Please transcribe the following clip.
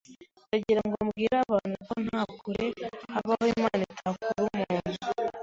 Ndagirango mbwira abantu ko nta kure habaho Imana itakura umuntu,